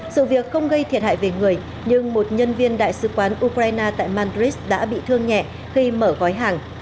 sự việc không gây thiệt hại về người nhưng một nhân viên đại sứ quán ukraine tại madrid đã bị thương nhẹ khi mở gói hàng